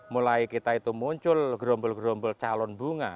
mulai kita itu muncul gerombol gerombol calon bunga